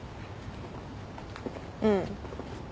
うん。